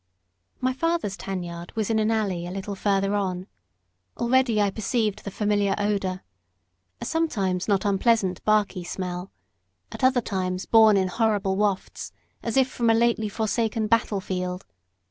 My father's tan yard was in an alley a little further on. Already I perceived the familiar odour; sometimes a not unpleasant barky smell; at other times borne in horrible wafts, as if from a lately forsaken battle field.